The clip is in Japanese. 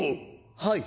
はい。